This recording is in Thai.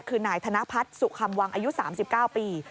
คือนายธนพัฒน์สุคำวังอายุ๓๙ปี